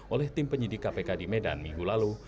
oleh tim penyidik kpk di medan minggu lalu